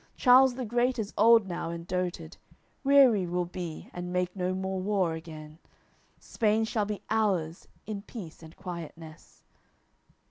Charles the great is old now and doted, Weary will be and make no war again; Spain shall be ours, in peace and quietness."